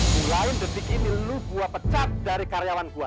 mulain detik ini lu gua pecat dari karyawan gua